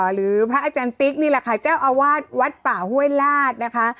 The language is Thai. หรือพระอาจารย์ติ๊กนี่แหละค่ะเจ้าอาวาสวัดป่าห้วยลาดนะคะ